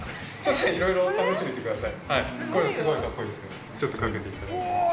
いろいろ試してみてください。